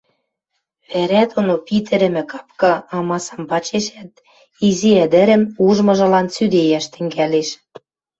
Вӓрӓ доно питӹрӹмӹ капка амасам пачешӓт, изи ӹдӹрӹм ужмыжылан цӱдейӓш тӹнгӓлеш.